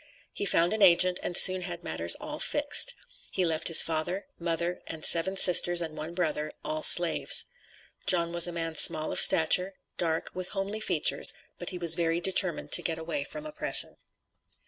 He found an agent and soon had matters all fixed. He left his father, mother and seven sisters and one brother, all slaves. John was a man small of stature, dark, with homely features, but he was very determined to get away from oppression.